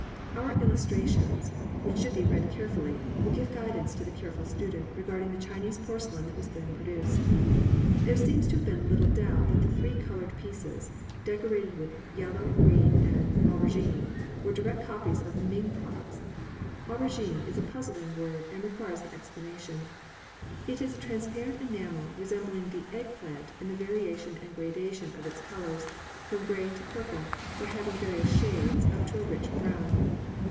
Our illustrations, which should be read carefully, will give guidance to the careful student regarding the Chinese porcelain that was then produced. There seems to have been little doubt that the three coloured pieces, decorated with yellow, green, and aubergine, were direct copies of the Ming products. Aubergine is a puzzling word and requires explanation. It is a transparent enamel resembling the egg plant in the variation and gradation of its colours, from grey to purple or having various shades up to a rich brown.